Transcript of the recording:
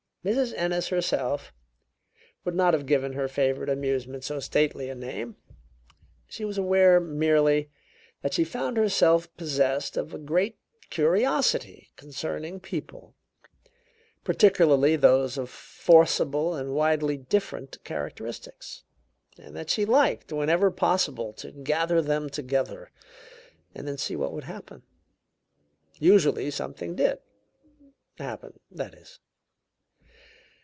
Mrs. Ennis herself would not have given her favorite amusement so stately a name; she was aware merely that she found herself possessed of a great curiosity concerning people, particularly those of forcible and widely different characteristics, and that she liked, whenever possible, to gather them together, and then see what would happen. Usually something did happen, that is.